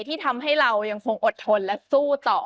ที่ทำให้เรายังคงอดทนและสู้ต่อ